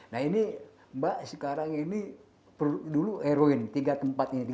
nah ini mbak sekarang ini dulu heroin tiga tempat ini